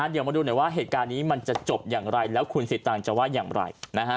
เดี๋ยวมาดูหน่อยว่าเหตุการณ์นี้มันจะจบอย่างไรแล้วคุณสิตังค์จะว่าอย่างไร